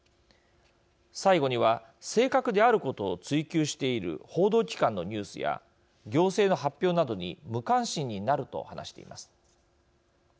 最後には正確であることを追求している報道機関のニュースや行政の発表などに無関心になると話しています。